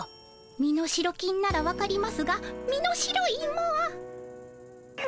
身代金ならわかりますが身代いも。